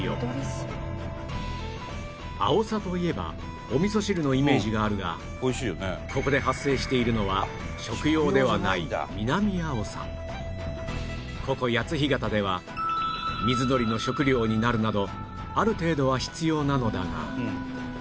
アオサといえばおみそ汁のイメージがあるがここで発生しているのはここ谷津干潟では水鳥の食料になるなどある程度は必要なのだが